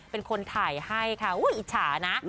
เป็นคนถ่ายให้ค่ะอิจฉานะ